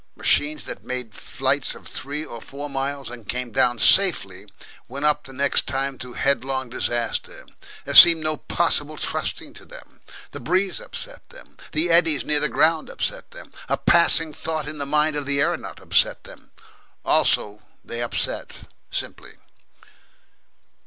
Machines that made flights of three or four miles and came down safely, went up the next time to headlong disaster. There seemed no possible trusting to them. The breeze upset them, the eddies near the ground upset them, a passing thought in the mind of the aeronaut upset them. Also they upset simply.